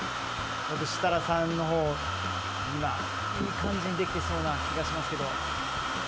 まず設楽さんのほうがいい感じにできていそうな感じがしますが。